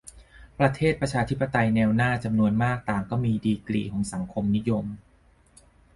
ประเทศประชาธิปไตยแนวหน้าจำนวนมากต่างก็มีดีกรีของสังคมนิยม